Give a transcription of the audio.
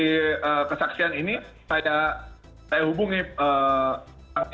tapi si kesaksian ini saya hubungi para penyelamatnya langsung